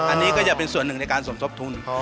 อันนี้ก็จะเป็นส่วนหนึ่งในการสมทบทุน